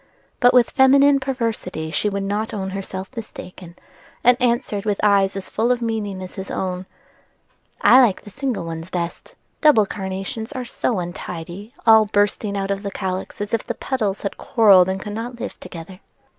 But with feminine perversity she would not own herself mistaken, and answered with eyes as full of meaning as his own: "I like the single ones best: double carnations are so untidy, all bursting out of the calyx as if the petals had quarrelled and could not live together."